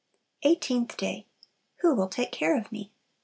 Eighteenth Day Who will take care of me?